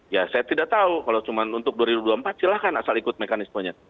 ya saya tidak tahu kalau cuma untuk dua ribu dua puluh empat silahkan asal ikut mekanismenya